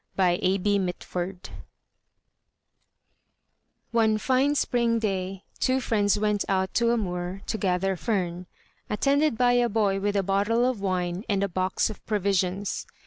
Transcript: VI THE GRATEFUL FOXES One fine spring day two friends went out to a moor to gather fern, attended by a boy with a bottle of wine and a box of provisions.